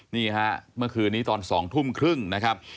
นี่ฮะเมื่อคืนนี้ตอน๒๓๐นนะครับ